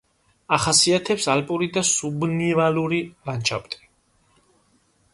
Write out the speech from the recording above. ახასიათებს ალპური და სუბნივალური ლანდშაფტი.